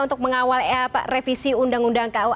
untuk mengawal revisi undang undang ku